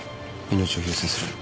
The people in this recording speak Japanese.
命を優先する。